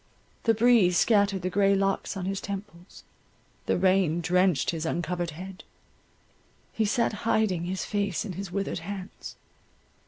The breeze scattered the grey locks on his temples, the rain drenched his uncovered head, he sat hiding his face in his withered hands.